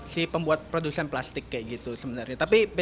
si pembuat produsen plastik kayak gitu sebenarnya